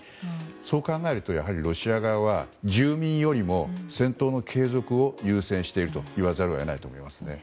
そう考えるとロシア側は住民よりも戦闘の継続を優先していると言わざるを得ないと思います。